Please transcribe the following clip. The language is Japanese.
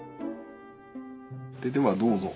それではどうぞ。